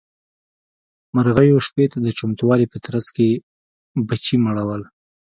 مرغيو شپې ته د چمتووالي په ترڅ کې بچي مړول.